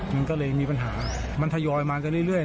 มันก็เลยมีปัญหามันทยอยมากันเรื่อย